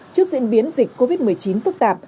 trước diễn biến dịch covid một mươi chín phức tạp